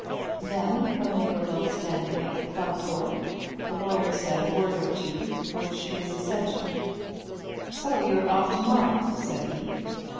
Then, when they were both standing at the club door, the lawyer said a word or two which is essential. "So you're off to morrow?" said he.